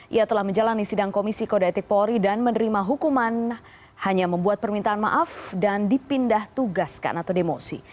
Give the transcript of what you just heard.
ia telah menjalani sidang komisi kode etik polri dan menerima hukuman hanya membuat permintaan maaf dan dipindah tugaskan atau demosi